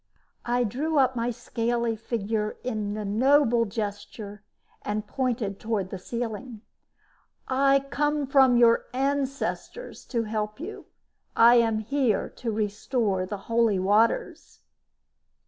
I drew up my scaly figure in a noble gesture and pointed toward the ceiling. "I come from your ancestors to help you. I am here to restore the Holy Waters."